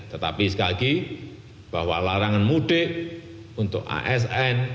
tetapi sekali lagi bahwa larangan mudik untuk asn